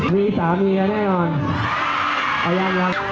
เราโดนราเหนือนเนี่ย